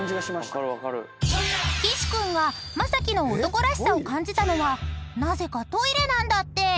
［岸君は雅紀の男らしさを感じたのはなぜかトイレなんだって］